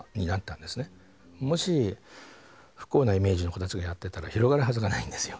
もし不幸なイメージの子たちがやってたら広がるはずがないんですよ。